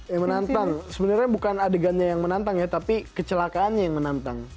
yang menantang sebenarnya bukan adegannya yang menantang ya tapi kecelakaannya yang menantang